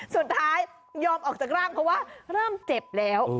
สุดท้ายยอมออกจากร่างเพราะว่าเริ่มเจ็บแล้ว